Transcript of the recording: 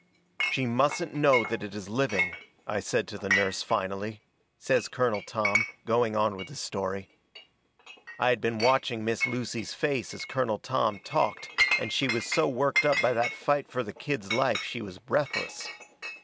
"'She mustn't know that it is living,' I said to the nurse, finally," says Colonel Tom, going on with his story. I had been watching Miss Lucy's face as Colonel Tom talked and she was so worked up by that fight fur the kid's life she was breathless.